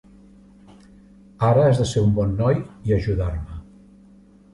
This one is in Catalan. Ara has de ser un bon noi i ajudar-me.